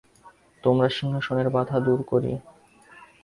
তোমার সিংহাসনের বাধা দূর করি।